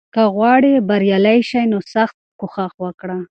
که غواړې بریالی شې، نو سخت کوښښ وکړه.